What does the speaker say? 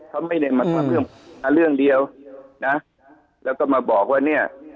เขาไม่ได้มาทำเรื่องเดียวนะแล้วก็มาบอกว่าเนี่ย